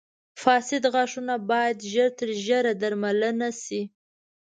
• فاسد غاښونه باید ژر تر ژره درملنه شي.